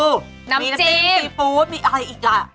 น้ำจีบมีน้ำจีบซีฟู้ดมีอะไรอีกล่ะ